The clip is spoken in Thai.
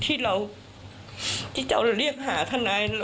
ที่เราเจ้าเรียกหาท่านหนาอย่างนี้